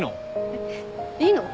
えっ？いいの？